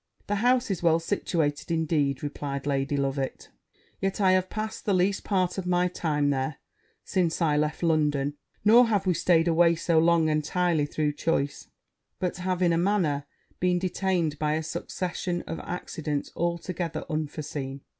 'The house is well situated, indeed,' replied Lady Loveit; 'yet I have passed the least part of my time there since I left London; nor have we staid away so long entirely through choice, but have in a manner been detained by a succession of accidents altogether unforeseen.